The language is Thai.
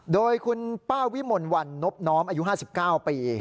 โดยคุณป้าวิมลวันนบน้อมอายุ๕๙ปี